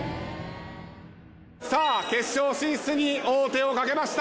さあ決勝進出に王手をかけました。